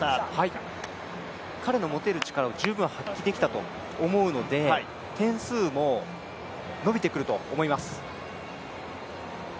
彼の持てる力を十分、発揮できたと思うので点数も伸びてくると思います。